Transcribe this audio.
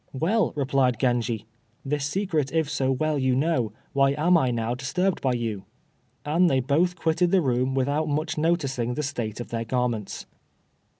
"Well," replied Genji, "This secret if so well you know, Why am I now disturbed by you?" And they both quitted the room without much noticing the state of their garments.